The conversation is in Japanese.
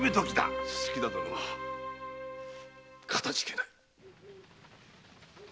薄田殿かたじけない。